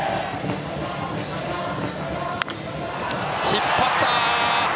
引っ張った！